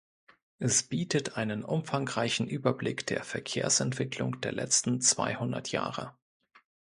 Es bietet einen umfangreichen Überblick der Verkehrsentwicklung der letzten zweihundert Jahre.